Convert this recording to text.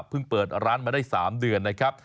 เปิดร้านมาได้๓เดือนนะครับ